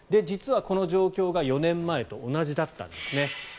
実はこの状況が４年前と同じだったんですね。